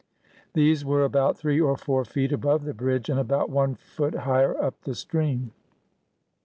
These were about three or four feet above the bridge, and about one foot higher up the stream.